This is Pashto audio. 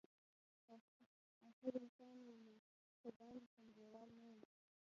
اخر انسان ومه قربان دی شم دیوال نه وم